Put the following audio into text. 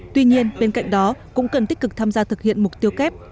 tuy nhiên bên cạnh đó cũng cần tích cực tham gia thực hiện mục tiêu kép